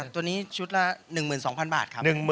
ตัวนี้ชุดละ๑๒๐๐๐บาทครับ